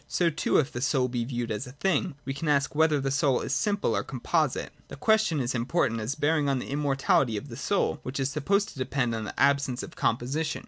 So, too, if the soul be viewed as a thing, we can ask whether the soul is simple or composite. The question is important as bear ing on the immortality of the soul, which is supposed to depend on the absence of composition.